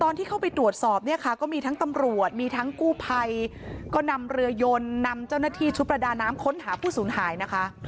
นี่ค่ะก็มีทั้งตำรวจมีทั้งกู้ไพรก็นำเรือยนนำเจ้าหน้าที่ชุดประดาน้ำค้นหาผู้สูญหายนะคะ